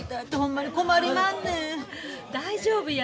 大丈夫や。